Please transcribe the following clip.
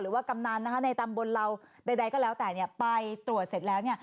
กำนันในตำบลเราใดก็แล้วแต่ไปตรวจเสร็จแล้ว